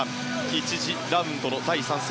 １次ラウンドの第３戦。